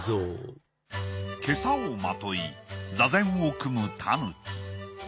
けさをまとい座禅を組む狸。